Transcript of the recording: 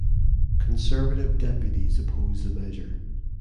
Conservative deputies oppose the measure.